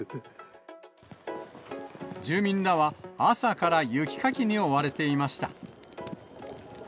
住民らは、朝から雪かきに追われていました。